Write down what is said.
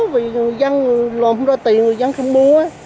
vì người dân lộn ra tiền người dân không mua